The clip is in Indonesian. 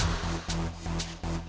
ayo kita jalan dulu